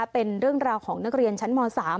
เป็นเรื่องราวของนักเรียนชั้นม๓